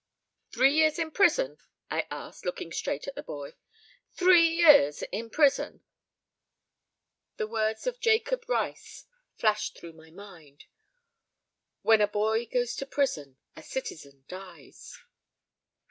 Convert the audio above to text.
"Three years in prison?" I asked, looking straight at the boy. "Three years in prison!" The words of Jacob Riis flashed through my mind "When a boy goes to prison, a citizen dies."